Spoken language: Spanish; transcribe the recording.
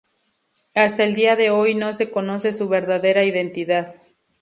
Hasta el día de hoy no se conoce su verdadera identidad.